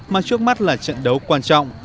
mà trước mắt là trận đấu quan trọng